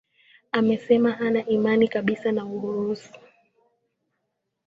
amesema hana imani kabisa na urusi